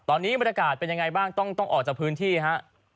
ตอนนี้บรรยากาศเป็นยังไงบ้างต้องออกจากพื้นที่ฮะ